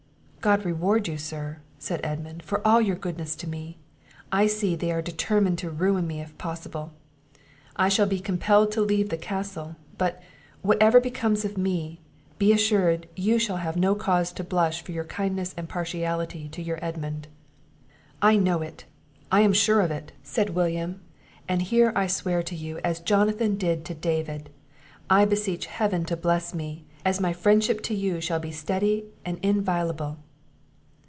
"God reward you, sir," said Edmund, "for all your goodness to me! I see they are determined to ruin me if possible: I shall be compelled to leave the castle; but, whatever becomes of me, be assured you shall have no cause to blush for your kindness and partiality to your Edmund." "I know it, I am sure of it," said William; "and here I swear to you, as Jonathan did to David, I beseech Heaven to bless me, as my friendship to you shall be steady and inviolable!"